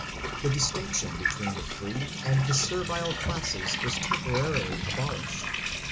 The distinction between the free and the servile classes was temporarily abolished.